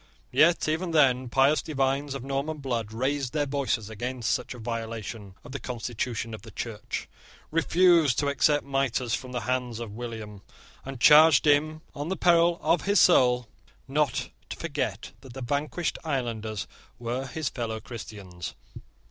Yet even then pious divines of Norman blood raised their voices against such a violation of the constitution of the Church, refused to accept mitres from the hands of William, and charged him, on the peril of his soul, not to forget that the vanquished islanders were his fellow Christians.